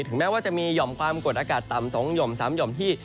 ถึงแม้ว่าจะมีหย่อมความกดอากาศต่ำ๒๓หย่อมที่